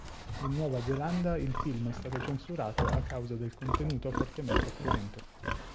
In Nuova Zelanda il film è stato censurato a causa del contenuto fortemente cruento.